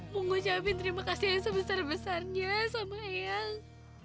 mengucapkan terima kasih yang sebesar besarnya sama ayah